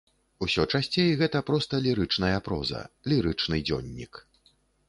Усё часцей гэта проста лірычная проза, лірычны дзённік.